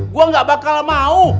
gue gak bakal mau